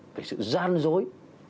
về sự gian dối